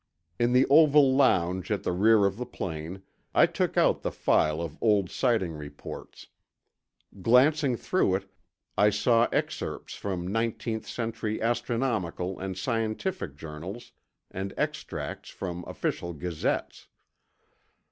In the oval lounge at the rear of the plane, I took out the file of old sighting reports. Glancing through it, I, saw excerpts from nineteenth century astronomical and scientific journals and extracts from official gazettes.